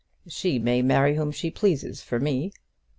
"She may marry whom she pleases for me."